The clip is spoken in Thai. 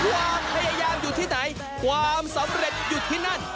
ความพยายามอยู่ที่ไหนความสำเร็จอยู่ที่นั่น